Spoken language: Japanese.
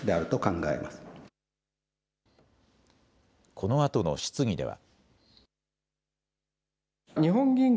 このあとの質疑では。